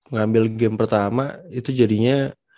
ngambil game pertama itu jadinya